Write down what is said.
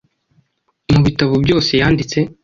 mu bitabo byose yanditse.